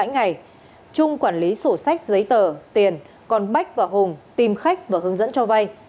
ngày trung quản lý sổ sách giấy tờ tiền còn bách và hùng tìm khách và hướng dẫn cho vay